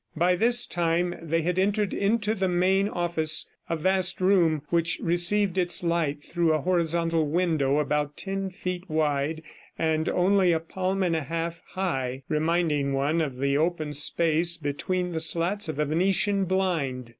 By this time, they had entered into the main office, a vast room which received its light through a horizontal window about ten feet wide and only a palm and a half high, reminding one of the open space between the slats of a Venetian blind.